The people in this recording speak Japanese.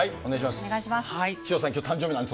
お願いします。